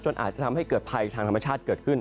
อาจจะทำให้เกิดภัยทางธรรมชาติเกิดขึ้น